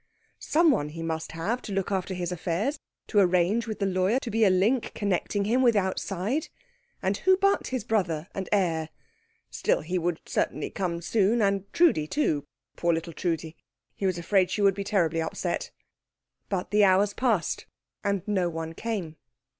Someone he must have to look after his affairs, to arrange with the lawyer, to be a link connecting him with outside. And who but his brother and heir? Still, he would certainly come soon, and Trudi too. Poor little Trudi he was afraid she would be terribly upset. But the hours passed, and no one came.